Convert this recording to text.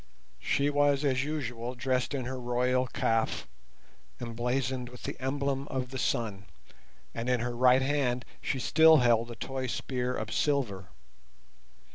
She was, as usual, dressed in her royal "kaf", emblazoned with the emblem of the Sun, and in her right hand she still held the toy spear of silver.